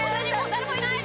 誰もいない？